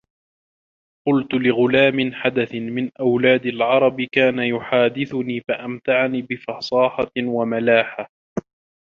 قُلْت لِغُلَامٍ حَدَثٍ مِنْ أَوْلَادِ الْعَرَبِ كَانَ يُحَادِثُنِي فَأَمْتَعَنِي بِفَصَاحَةٍ وَمَلَاحَةٍ